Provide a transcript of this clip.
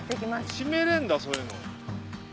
・しめれんだそういうの。